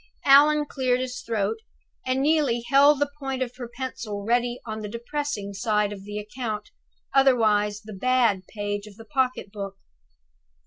Allan cleared his throat, and Neelie held the point of her pencil ready on the depressing side of the account otherwise the "Bad" page of the pocket book.